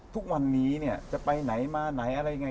ทุกวันนี้เนี่ยจะไปไหนมาไหนอะไรยังไง